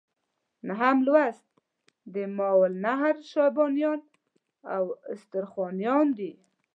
نهم لوست د ماوراء النهر شیبانیان او استرخانیان دي.